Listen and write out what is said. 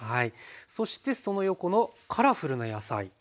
そしてその横のカラフルな野菜。